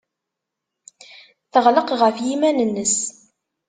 Teɣleq ɣef yiman-nnes.